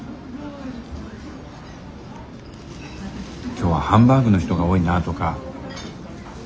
今日はハンバーグの人が多いなとかあの人